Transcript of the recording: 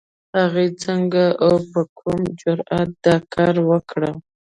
هغې څنګه او په کوم جرئت دا کار وکړ؟